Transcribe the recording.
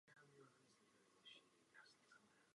Zejména dostal nové kotle.